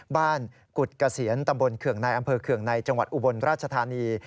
กุฎเกษียณตำบลเคืองในอำเภอเคืองในจังหวัดอุบลราชธานี